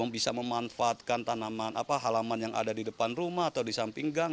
bisa memanfaatkan tanaman halaman yang ada di depan rumah atau di samping gang